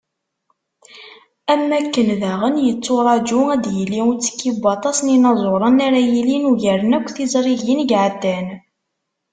Am wakken daɣen, yetturaǧu ad d-yili uttekki n waṭas n yinaẓuren, ara yilin ugaren akk tizrigin i iɛeddan.